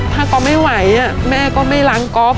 ถ้าก๊อฟไม่ไหวแม่ก็ไม่ล้างก๊อฟ